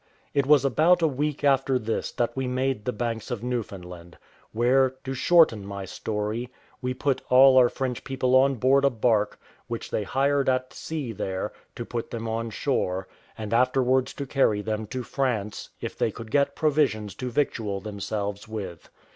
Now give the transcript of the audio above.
It was about a week after this that we made the banks of Newfoundland; where, to shorten my story, we put all our French people on board a bark, which they hired at sea there, to put them on shore, and afterwards to carry them to France, if they could get provisions to victual themselves with.